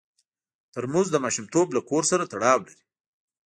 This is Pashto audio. ترموز د ماشومتوب له کور سره تړاو لري.